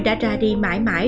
đã ra đi mãi mãi